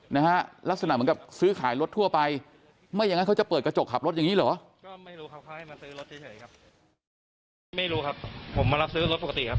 นะฮะลักษณะเหมือนกับซื้อขายรถทั่วไปไม่อย่างนั้นเขาจะเปิดกระจกขับรถอย่างนี้เหรอ